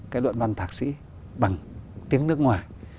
cái luận văn thạc sĩ bằng tiếng nước ngoài